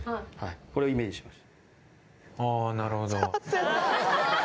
これをイメージしました